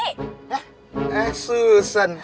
eh eh susan